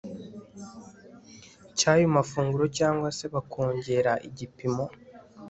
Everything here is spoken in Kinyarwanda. cy'ayo mafunguro cyangwa se bakongera igipimo